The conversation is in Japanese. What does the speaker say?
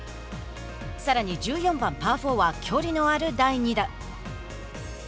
さらに１４番パー４は距離のある第２打。